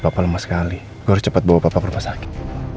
papa lemah sekali gue harus cepet bawa papa ke rumah sakit